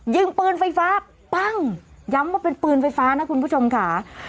ยิงปืนไฟฟ้าปั้งย้ำว่าเป็นปืนไฟฟ้านะคุณผู้ชมค่ะ